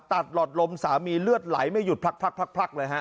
หลอดลมสามีเลือดไหลไม่หยุดพลักเลยฮะ